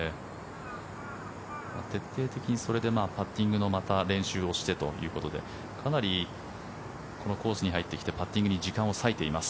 徹底的にそれでパッティングの練習をしてということでかなりこのコースに入ってパッティングに時間を割いています。